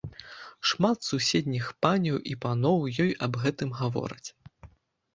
Шмат суседніх паняў і паноў ёй аб гэтым гавораць.